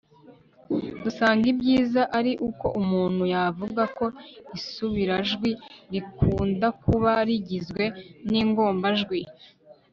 dusanga ibyiza ari uko umuntu yavuga ko isubirajwi rikundakuba rigizwe n'ingombajwi